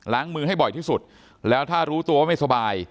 มือให้บ่อยที่สุดแล้วถ้ารู้ตัวว่าไม่สบาย